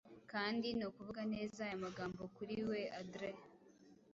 Kandi nukuvuga neza aya magambo kuri we adree